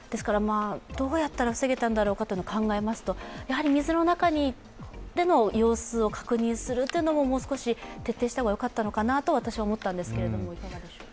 どうやったら防げたんだろうと考えますとやはり水の中での様子を確認するというのをもう少し徹底した方がよかったのかなと私は思ったんですけどいかがでしょう。